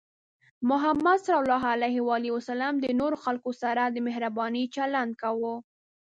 محمد صلى الله عليه وسلم د نورو خلکو سره د مهربانۍ چلند کاوه.